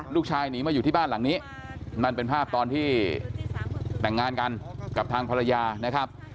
หนีมาอยู่ที่บ้านหลังนี้นั่นเป็นภาพตอนที่แต่งงานกันกับทางภรรยานะครับ